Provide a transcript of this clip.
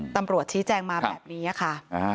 ตำรวจชี้แจงมาแบบนี้ค่ะ